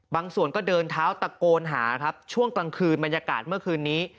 บางส่วนก็เดินเท้าตะโกนหาครับช่วงกลางคืนบรรยากาศเมื่อคืนนี้